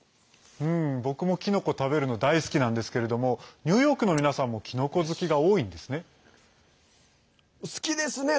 僕もキノコ食べるの大好きなんですけれどもニューヨークの皆さんもキノコ好きが多いんですね？